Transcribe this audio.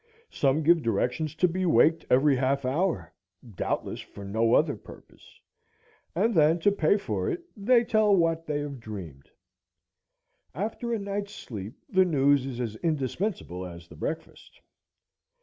Some give directions to be waked every half hour, doubtless for no other purpose; and then, to pay for it, they tell what they have dreamed. After a night's sleep the news is as indispensable as the breakfast.